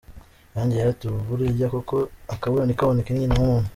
Yongeyeho ati “Burya koko akabura ntikaboneke ni nyina w’umuntu.